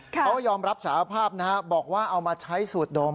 เขายอมรับสารภาพนะฮะบอกว่าเอามาใช้สูตรดม